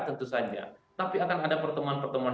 tentu saja tapi akan ada pertemuan pertemuan